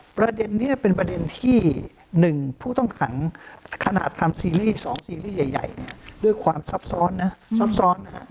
ประเด็นนี้เป็นประเด็นที่๑ผู้ต้องขังขนาดทำซีรีส์๒ซีรีส์ใหญ่เนี่ยด้วยความซับซ้อนนะซับซ้อนนะฮะ